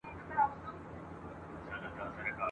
او یوازي په دې لوی کور کي تنهاده ..